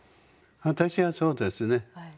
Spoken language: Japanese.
私はそうですね。